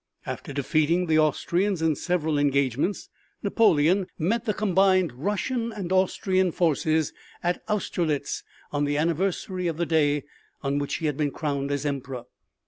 After defeating the Austrians in several engagements Napoleon met the combined Russian and Austrian forces at Austerlitz on the anniversary of the day on which he had been crowned as Emperor.